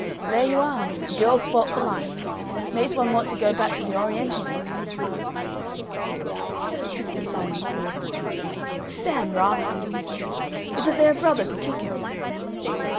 There you are! Girl spoilt for life. Makes one want to go back to the Oriental system!" Mr. Stanley poured wine. "Damned Rascal!" he said. "Isn't there a brother to kick him?"